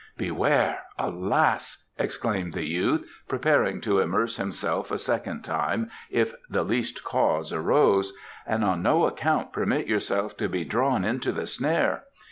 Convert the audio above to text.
"Beware, alas!" exclaimed the youth, preparing to immerse himself a second time if the least cause arose; "and on no account permit yourself to be drawn into the snare.